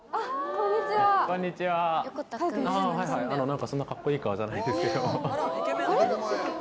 何かそんなカッコいい顔じゃないですけど。